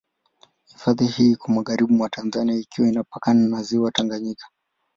Hifadhi hii iko magharibi mwa Tanzania ikiwa inapakana na Ziwa Tanganyika.